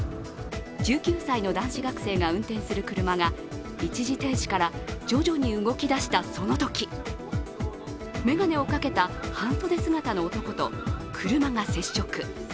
１９歳の男子学生が運転する車が一時停止から徐々に動きだしたそのとき、眼鏡をかけた半袖姿の男と車が接触。